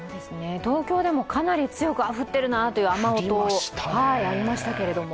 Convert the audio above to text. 東京でもかなり強く降っているなという雨音がありましたけれども。